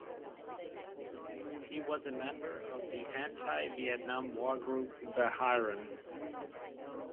He was a member of the anti-Vietnam War group Beheiren.